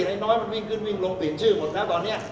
ไอ้น้อยมันวิ่งขึ้นวิ่งลงเปลี่ยนชื่อหมดแล้วตอนนี้